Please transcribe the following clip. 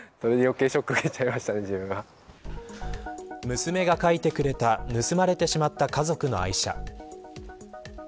娘が描いてくれた盗まれてしまった家族の愛車。